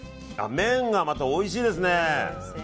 麺がまたおいしですね。